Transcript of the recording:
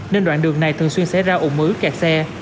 nên đoạn đường này thường xuyên sẽ ra ủng mứ kẹt xe